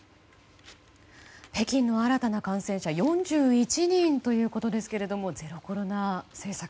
北京の新たな感染者は４１人ということですがゼロコロナ政策